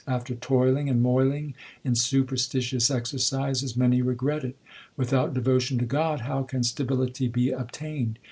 After toiling and moiling in superstitious exercises many regret it ; Without devotion to God how can stability be obtained